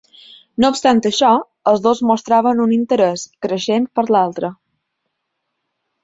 No obstant això, els dos mostraven un interès creixent per l'altre.